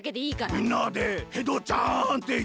みんなでヘドちゃんってよんでくれ。